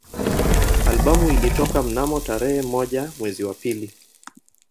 Albamu ilitoka mnamo tarehe moja mwezi wa pili